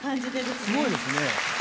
すごいですね。